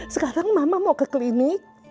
sekarang mama mau ke klinik